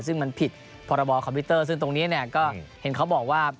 ซึ่งมันผิดพรบคอมพิวเตอร์ซึ่งตรงนี้เนี่ยก็เห็นเขาบอกว่า